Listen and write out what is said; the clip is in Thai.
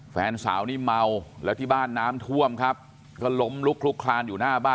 แฟนสาวนี่เมาแล้วที่บ้านน้ำท่วมครับก็ล้มลุกลุกคลานอยู่หน้าบ้าน